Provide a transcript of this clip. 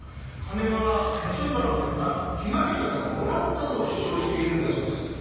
金は盗んだのではなく被害者からもらったと主張しているんだそうです。